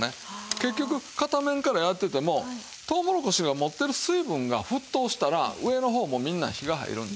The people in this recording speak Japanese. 結局片面からやっててもとうもろこしが持ってる水分が沸騰したら上の方もみんな火が入るんですよ。